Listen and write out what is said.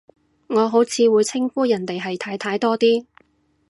我好似會稱呼人哋係太太多啲